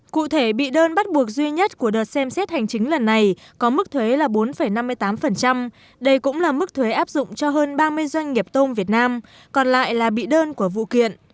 cụ thể bị đơn bắt buộc duy nhất của đợt xem xét hành chính lần này có mức thuế là bốn năm mươi tám đây cũng là mức thuế áp dụng cho hơn ba mươi doanh nghiệp tôm việt nam còn lại là bị đơn của vụ kiện